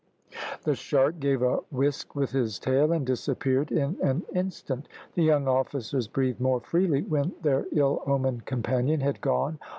The shark gave a whisk with his tail, and disappeared in an instant. The young officers breathed more freely when their ill omened companion had gone.